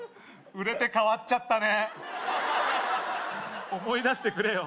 売れて変わっちゃったね思い出してくれよ